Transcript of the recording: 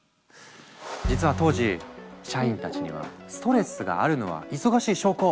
実は当時社員たちには「ストレスがあるのは忙しい証拠！